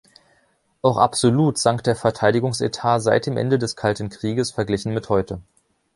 Auch absolut sank der Verteidigungsetat seit dem Ende des Kalten Krieges verglichen mit heute.